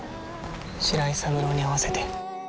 白井三郎に会わせて。